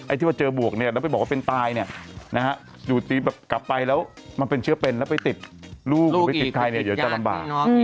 ที่มาเจอบวกเนี่ยแล้วไปบอกว่าเป็นตายเนี่ยนะฮะอยู่ตีแบบกลับไปแล้วมันเป็นเชื้อเป็นแล้วไปติดลูกหรือไปติดใครเนี่ยเดี๋ยวจะลำบาก